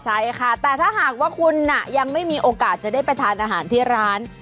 ใช่ค่ะแต่ถ้าหากว่าคุณยังไม่มีโอกาสจะได้ไปทานอาหารที่ร้าน